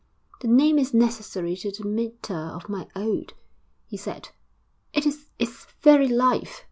'The name is necessary to the metre of my ode,' he said. 'It is its very life.